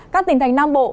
các tỉnh thành nam bộ